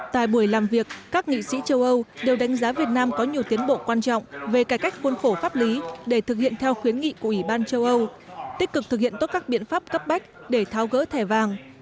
tại buổi làm việc các nghị sĩ châu âu đều đánh giá việt nam có nhiều tiến bộ quan trọng về cải cách khuôn khổ pháp lý để thực hiện theo khuyến nghị của ủy ban châu âu tích cực thực hiện tốt các biện pháp cấp bách để tháo gỡ thẻ vàng